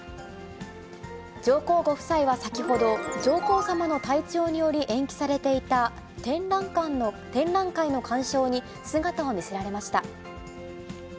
上皇ご夫妻は先ほど、上皇さまの体調により延期されていた展覧会の鑑賞に、姿を見せられました。